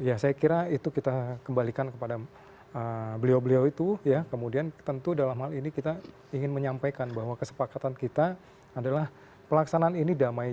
ya saya kira itu kita kembalikan kepada beliau beliau itu ya kemudian tentu dalam hal ini kita ingin menyampaikan bahwa kesepakatan kita adalah pelaksanaan ini damai